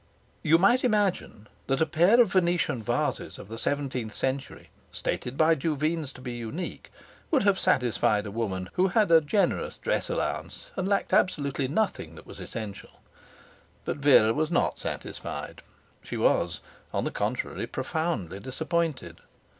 You might imagine that a pair of Venetian vases of the seventeenth century, stated by Duveens to be unique, would have satisfied a woman who had a generous dress allowance and lacked absolutely nothing that was essential. But Vera was not satisfied. She was, on the contrary, profoundly disappointed.